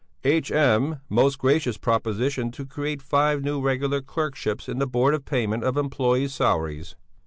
"H.M. most gracious proposition to create five new regular clerkships in the Board of Payment of Employés' Salaries."